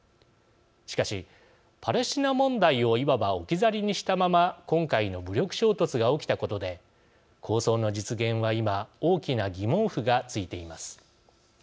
しかし、パレスチナ問題をいわば置き去りにしたまま今回の武力衝突が起きたことで構想の実現は今、大きな疑問符がついています。